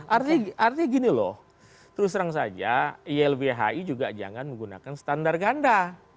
artinya gini loh terus terang saja ilbhi juga jangan menggunakan standar ganda